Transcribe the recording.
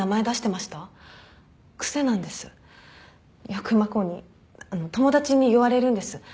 よく真子にあの友達に言われるんです。